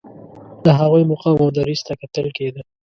د هغوی مقام او دریځ ته کتل کېده.